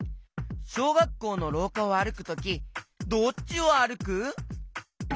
しょうがっこうのろうかをあるくときどっちをあるく？